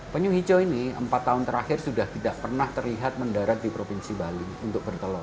penyu hijau ini empat tahun terakhir sudah tidak pernah terlihat mendarat di provinsi bali untuk bertelur